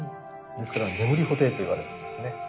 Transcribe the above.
ですから睡布袋といわれるんですね。